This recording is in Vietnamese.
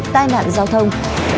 tai nạn giao thông